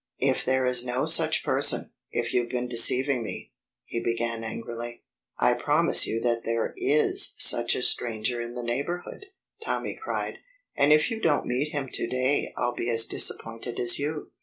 "If there is no such person if you've been deceiving me " he began angrily. "I promise you that there is such a stranger in the neighborhood!" Tommy cried. "And if you don't meet him to day I'll be as disappointed as you."